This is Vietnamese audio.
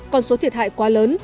con số thiệt hại quá lớn